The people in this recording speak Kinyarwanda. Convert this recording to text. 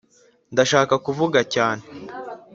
ndashaka kuvuga cyane,